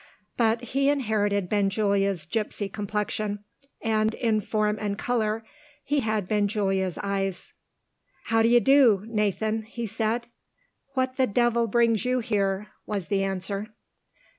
But he inherited Benjulia's gipsy complexion; and, in form and colour, he had Benjulia's eyes. "How d'ye do, Nathan?" he said. "What the devil brings you here?" was the answer.